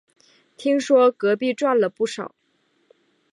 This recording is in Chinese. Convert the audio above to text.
听说隔壁赚了不少